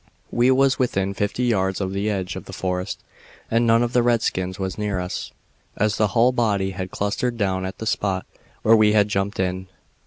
"We was within fifty yards of the edge of the forest, and none of the redskins was near us, as the hull body had clustered down at the spot where we had jumped in.